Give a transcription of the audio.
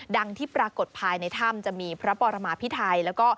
ที่ปรากฏภายในถ้ำจะมีพระปรมาพิไทยแล้วก็